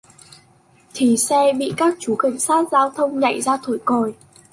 thì xe bị các chú cảnh sát giao thông nhảy ra thổi còi